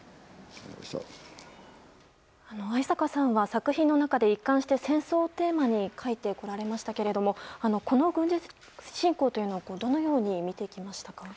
逢坂さんは、作品の中で一貫して戦争をテーマに書いてこられましたがこの軍事侵攻というのはどのように見てきましたか？